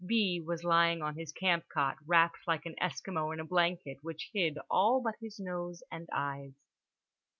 B. was lying on his camp cot, wrapped like an Eskimo in a blanket which hid all but his nose and eyes.